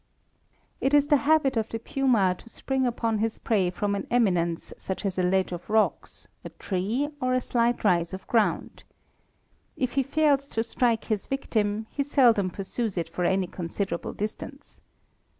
It is the habit of the puma to spring upon his prey from an eminence such as a ledge of rocks, a tree, or a slight rise of ground. If he fails to strike his victim, he seldom pursues it for any considerable distance.